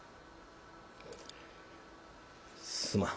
「すまん。